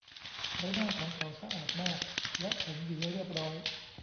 ใบหน้าของเขาสะอาดมาก และผมหวีเรียบร้อย